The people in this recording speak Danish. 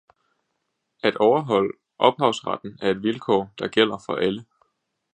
At overholde ophavsretten er et vilkår, der gælder for alle.